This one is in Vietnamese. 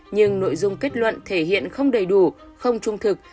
nhưng nội dung kết luận thể hiện không đầy đủ không trung thực